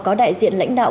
có đại diện lãnh đạo